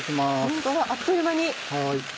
ホントだあっという間に。